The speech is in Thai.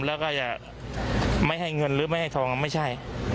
แล้วก็จะไม่ให้เงินหรือไม่ให้ทองไม่ใช่